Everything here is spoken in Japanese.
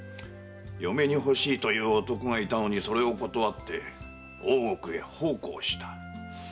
嫁に欲しいという男がいたのにそれを断って大奥へ奉公した。